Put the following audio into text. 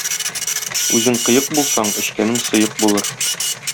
Үзең кыек булсаң, эчкәнең сыек булыр.